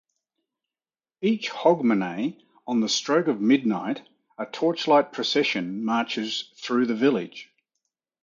Each Hogmanay, on the stroke of midnight, a torchlight procession marches through the village.